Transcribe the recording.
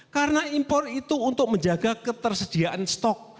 karena impor itu untuk menjaga ketersediaan stok